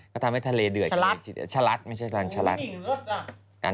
ก็ทำให้ทะเลเดือดค่ะชะลัดไม่ใช่ชะลัดคันชะลัดอุ้ยนิ่งก็สวย